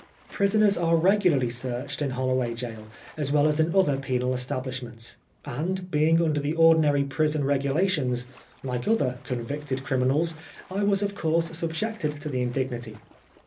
Prisoners are regularly searched in Holloway Gaol as well as in other penal establishments ; and beii 86 PRISONER FOR BLASPHEMY. nnder the ordinary prison regulations, like other ''coavicted criminals," I was of coarse subjected to the indignity.